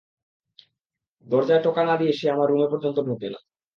দরজায় টোকা না দিয়ে সে আমার রুমে পর্যন্ত ঢোকে না!